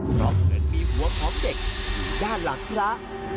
เพราะเกิดมีหัวของเด็กอยู่ด้านหลังแล้ว